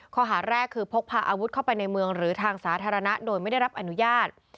ข้อหาแรกคือพกพาอาวุธเข้าไปในเมืองหรือทางสาธารณะโดยไม่ได้รับอนุญาต